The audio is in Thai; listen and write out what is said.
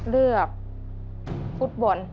เลือกฟุตบอล